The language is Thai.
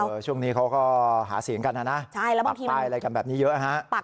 เออช่วงนี้เขาก็หาเสียงกันอ่ะนะใช่แล้วบางทีปักป้ายอะไรกันแบบนี้เยอะอ่ะฮะ